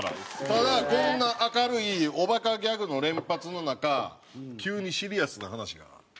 ただこんな明るいおバカギャグの連発の中急にシリアスな話が。